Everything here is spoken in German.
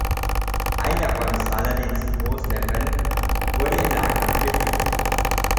Einer von Saladins Großneffen wurde im Nahkampf getötet.